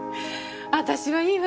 私はいいわ。